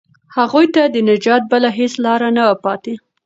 هغوی ته د نجات بله هیڅ لاره نه وه پاتې.